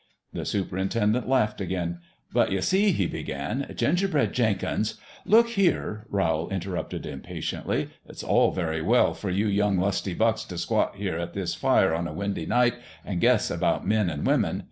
The superintendent laughed again. " But you see," he began, "Gingerbread Jenkins "" Look here !" Rowl interrupted, impatiently. "It's all very well for you young lusty bucks t' squat here at this fire on a windy night an' guess about men an' women.